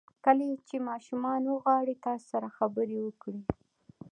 کله چې ماشومان وغواړي تاسو سره خبرې وکړي.